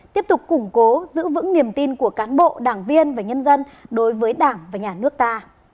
tiếp tục củng cố giữ vững niềm tin của cán bộ đảng viên và nhân dân đối với đảng và nhà nước ta